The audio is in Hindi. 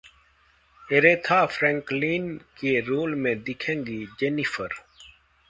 एरेथा फ्रैंकलिन के रोल में दिखेंगी जेनिफर!